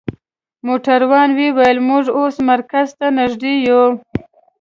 موټروان وویل: موږ اوس مرکز ته نژدې یو.